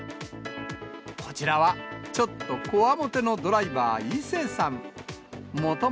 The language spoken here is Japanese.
こちらは、ちょっとこわもてのドライバー、伊勢さん。